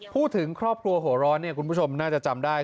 พูดถึงครอบครัวหัวร้อนเนี่ยคุณผู้ชมน่าจะจำได้